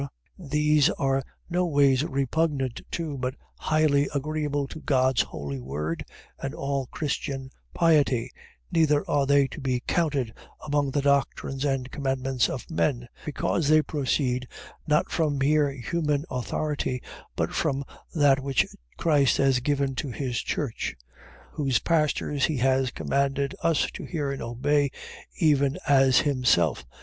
these are no ways repugnant to, but highly agreeable to God's holy word, and all Christian piety: neither are they to be counted among the doctrines and commandments of men; because they proceed not from mere human authority; but from that which Christ has established in his church; whose pastors he has commanded us to hear and obey, even as himself.